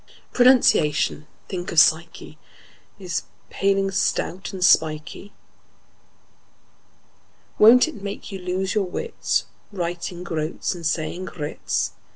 Pronunciation—think of psyche!— Is a paling, stout and spikey; Won't it make you lose your wits, Writing "groats" and saying groats?